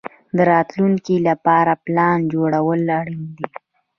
د راتلونکي لپاره پلان جوړول اړین دي.